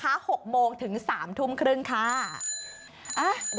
การเลือกตัว